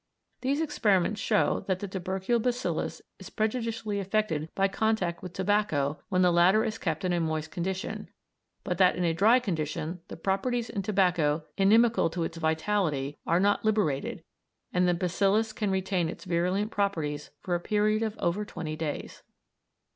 These experiments show that the tubercle bacillus is prejudicially affected by contact with tobacco when the latter is kept in a moist condition, but that in a dry condition the properties in tobacco inimical to its vitality are not liberated and the bacillus can retain its virulent properties for a period of over twenty days.